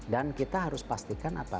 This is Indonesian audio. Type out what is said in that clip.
dan kita harus pastikan apa